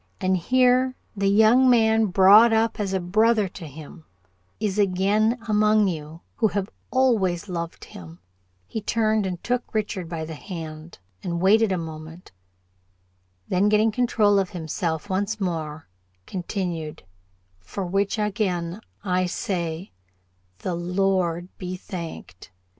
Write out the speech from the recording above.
And here, the young man brought up as a brother to him, is again among you who have always loved him," he turned and took Richard by the hand, and waited a moment; then, getting control of himself, once more continued "for which again, I say, the Lord be thanked.